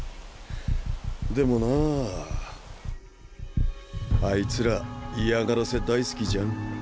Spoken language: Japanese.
でもなぁあいつら嫌がらせ大好きじゃん。